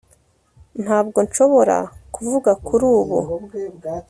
ntabwo nshobora kuvuga kuri ubu